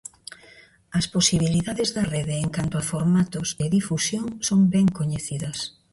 As posibilidades da rede en canto a formatos e difusión son ben coñecidas.